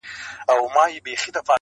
په ښارونو په دښتونو کي وړیا وه؛